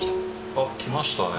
あっきましたね。